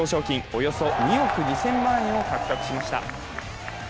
およそ２億２０００万円を獲得しました。